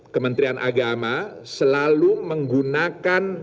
kementerian agama selalu menggunakan